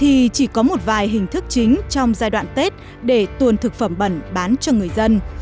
mỗi chất có một vài hình thức chính trong giai đoạn tết để tuần thực phẩm bẩn bán cho người dân